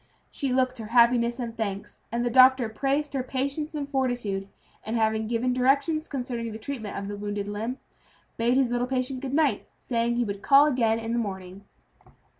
She looked her happiness and thanks, and the doctor praised her patience and fortitude; and having given directions concerning the treatment of the wounded limb, bade his little patient good night, saying he would call again in the morning.